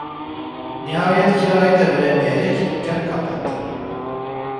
Nihayet kirayı da veremeyerek dükkanı kapattı.